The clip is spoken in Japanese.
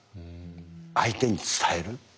相手に伝える。